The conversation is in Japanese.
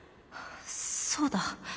そうだ。